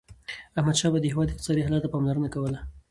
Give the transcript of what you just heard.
احمدشاه بابا د هیواد اقتصادي حالت ته پاملرنه کوله.